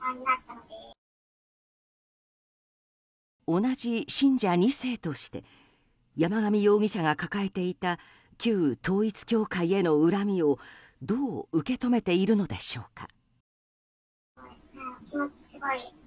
同じ信者２世として山上容疑者が抱えていた旧統一教会への恨みを、どう受け止めているのでしょうか。